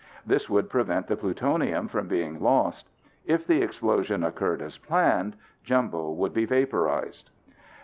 This would prevent the plutonium from being lost. If the explosion occurred as planned, Jumbo would be vaporized.